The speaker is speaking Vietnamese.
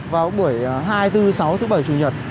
vào buổi hai bốn sáu thứ bảy chủ nhật